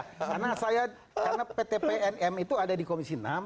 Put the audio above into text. karena saya pt pnm itu ada di komisi enam